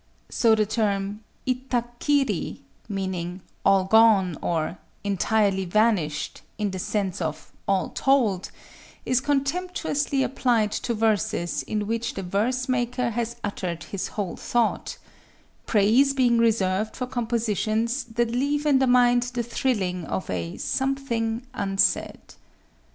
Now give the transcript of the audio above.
So the term ittakkiri—meaning "all gone," or "entirely vanished," in the sense of "all told,"—is contemptuously applied to verses in which the verse maker has uttered his whole thought;—praise being reserved for compositions that leave in the mind the thrilling of a something unsaid.